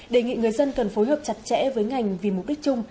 đề nghị người dân cần phối hợp chặt chẽ với ngành vì mục đích chung